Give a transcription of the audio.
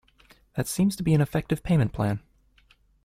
That seems to be an effective payment plan